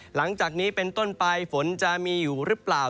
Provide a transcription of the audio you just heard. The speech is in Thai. หลังจากนี้เป็นต้นไปฝนจะมีอยู่หรือเปล่า